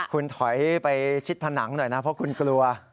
คุณถอยไปชิดผนังหน่อยนะเพราะคุณกลัว